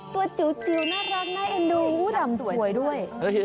ตัวจิ๋วน่ารักน่าเอ็นดูร่ำสวยด้วย